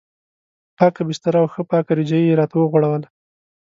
پاکه بستره او ښه پاکه رجایي یې راته وغوړوله.